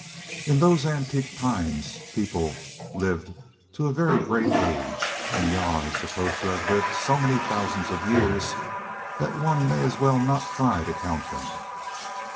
In those antique times people lived to a very great age, and Jah is supposed to have lived so many thousands of years that one may as well not try to count them.